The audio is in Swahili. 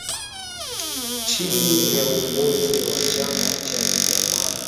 Chini ya uongozi wa chama cha Ujamaa cha China